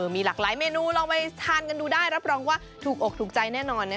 มีหลากหลายเมนูลองไปทานกันดูได้รับรองว่าถูกอกถูกใจแน่นอน